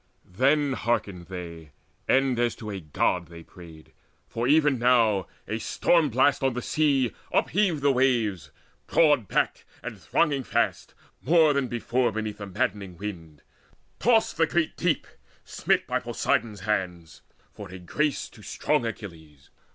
Then hearkened they, and as to a God they prayed; For even now a storm blast on the sea Upheaved the waves, broad backed and thronging fast More than before beneath the madding wind. Tossed the great deep, smit by Poseidon's hands For a grace to strong Achilles.